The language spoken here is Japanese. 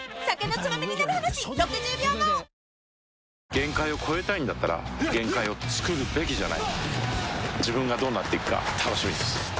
限界を越えたいんだったら限界をつくるべきじゃない自分がどうなっていくか楽しみです